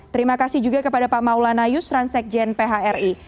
terima kasih juga kepada pak maulana yusran sekjen phri